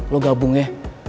lo gabung ya